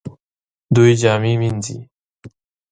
دوی جامې مینځي